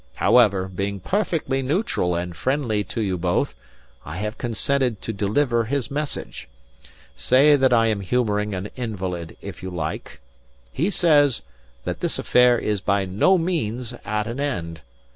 However, being perfectly neutral and friendly to you both, I have consented to deliver his message. Say that I am humouring an invalid if you like. He says that this affair is by no means at an end.